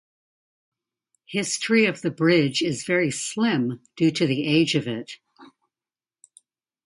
History of the bridge is very slim due to the age of it.